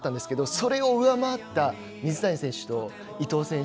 それを上回った水谷選手と伊藤選手